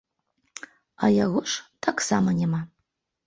А яго ж таксама няма.